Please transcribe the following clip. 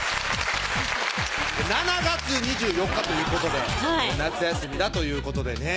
７月２４日ということで夏休みだということでね